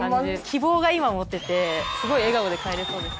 希望が今持ててすごい笑顔で帰れそうです。